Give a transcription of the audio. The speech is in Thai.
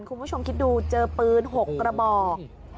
คุณผู้ชมคิดดูเจอปืน๖กระบอก